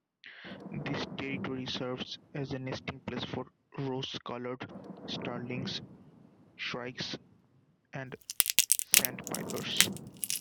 This territory serves as a nesting place for rose-coloured starlings, shrikes, and sandpipers.